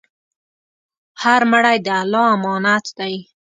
هر مړی د الله امانت دی.